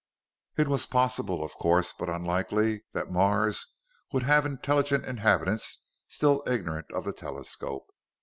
"It was possible, of course, but unlikely, that Mars would have intelligent inhabitants still ignorant of the telescope.